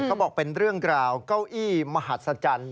บอกเป็นเรื่องกล่าวเก้าอี้มหัศจรรย์